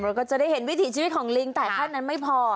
เราก็จะได้เห็นวิถีชีวิตของลิงแต่เท่านั้นไม่พอ